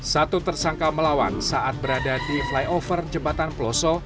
satu tersangka melawan saat berada di flyover jembatan peloso